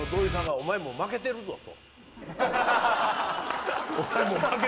お前もう負けてるぞと。